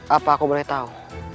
apa aku boleh tahu